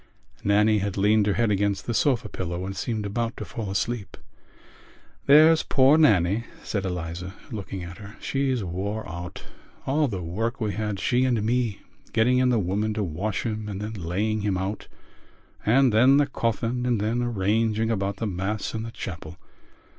Nannie had leaned her head against the sofa pillow and seemed about to fall asleep. "There's poor Nannie," said Eliza, looking at her, "she's wore out. All the work we had, she and me, getting in the woman to wash him and then laying him out and then the coffin and then arranging about the Mass in the chapel.